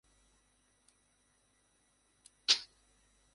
এরপরে mobile phone আবার চালু হয়েছে।